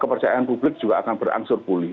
kepercayaan publik juga akan berangsur pulih